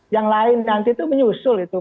yang lain nanti itu menyusul itu